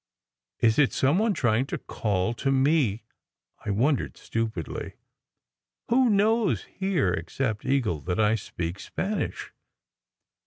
"Is it some one trying to call to me?" I wondered stupidly. "Who knows here, except Eagle, that I speak Spanish?"